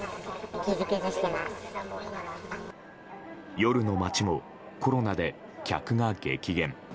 夜の街もコロナで客が激減。